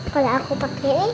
kalau aku pake ini